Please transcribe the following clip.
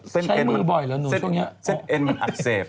เส้นเอ็นมันอักเสบ